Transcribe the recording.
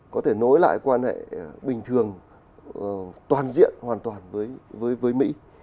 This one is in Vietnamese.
có thể nối lại quan hệ bình thường toàn diện hoàn toàn với mỹ